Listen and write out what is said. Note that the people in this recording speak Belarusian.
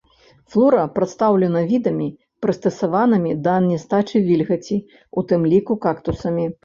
Флора прадстаўлена відамі, прыстасаванымі да нястачы вільгаці, у тым ліку кактусамі.